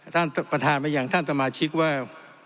ท่านประธานไปอย่างท่านสมาชิกว่า